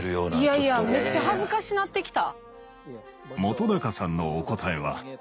いやいやめっちゃ恥ずかしなってきた。